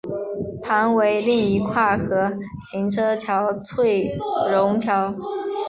旁为另一跨河行车桥翠榕桥。